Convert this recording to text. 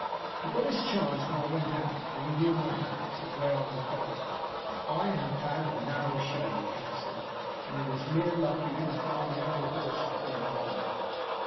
He got his chance when I went out, for he knew my habits, and where I was bound for. I have had a narrow shave, Peterson, and it is mere luck you didn't find me on your doorstep in the morning.